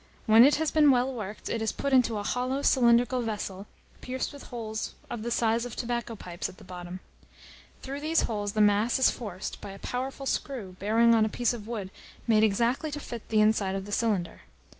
When it has been well worked, it is put into a hollow cylindrical vessel, pierced with holes of the size of tobacco pipes at the bottom. Through these holes the mass is forced by a powerful screw bearing on a piece of wood made exactly to fit the inside of the cylinder.